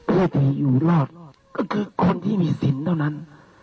เพื่อที่อยู่รอดก็คือคนที่มีสินเท่านั้น